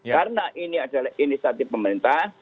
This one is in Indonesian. karena ini adalah inisiatif pemerintah